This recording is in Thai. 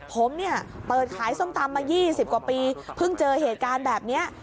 ผมเนี่ยเปิดขายส้มตำมา๒๐กว่าปีเพิ่งเจอเหตุการณ์แบบนี้